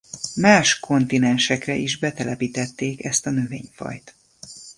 Más kontinensekre is betelepítették ezt a növényfajt.